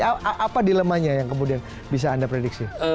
apa dilemanya yang kemudian bisa anda prediksi